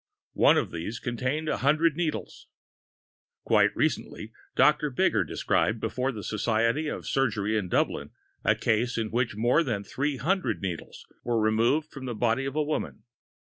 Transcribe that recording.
One of these contained 100 needles. Quite recently Doctor Bigger described before the Society of Surgery of Dublin a case in which more than 300 needles were removed from the body of a woman.